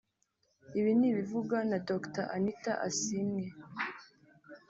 Ibi ni ibivugwa na Dr Anita Asiimwe